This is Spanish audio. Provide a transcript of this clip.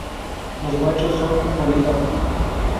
Los machos son polígamos.